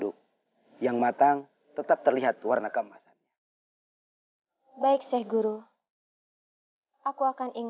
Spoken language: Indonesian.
ayah anda prabu